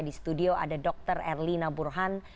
di studio ada dr erlina burhan